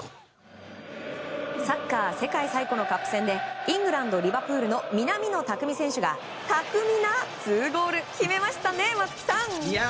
サッカー世界最古のカップ戦でイングランド・リバプールの南野拓実選手が巧みな２ゴールを決めましたね松木さん！